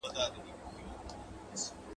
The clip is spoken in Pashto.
• چرگه معلومه نه، چرکوړي ئې اسمان ته و ختل.